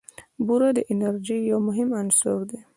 بوره د انرژۍ یو مهم عنصر دی.